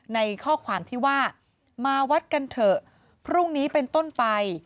ในข้อความที่ว่ามาวัดกันเถอะพรุ่งนี้เป็นต้นไป